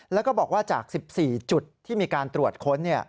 แล้วก็บอกว่าจาก๑๔จุดที่มีการตรวจค้น